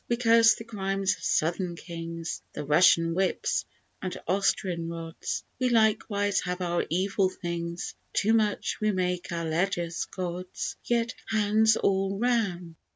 We curse the crimes of Southern kings, The Russian whips and Austrian rods We likewise have our evil things; Too much we make our Ledgers, Gods. Yet hands all round!